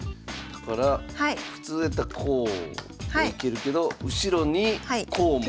だから普通やったらこう行けるけど後ろにこうも？